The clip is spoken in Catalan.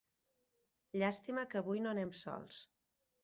Llàstima que avui no anem sols.